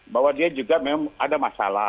bahwa dia juga memang ada masalah